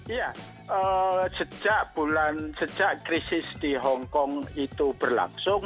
iya sejak krisis di hong kong itu berlaksong